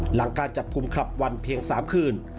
หลังการจับกลุ่มคลับวันเพียง๓คืน